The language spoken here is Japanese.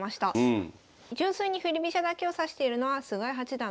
純粋に振り飛車だけを指しているのは菅井八段のみ。